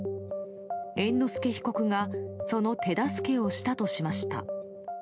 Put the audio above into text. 猿之助被告がその手助けをしたとしました。